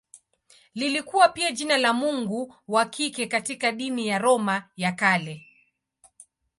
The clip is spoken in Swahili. Lilikuwa pia jina la mungu wa kike katika dini ya Roma ya Kale.